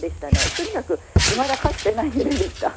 とにかく、いまだかつてない揺れでした。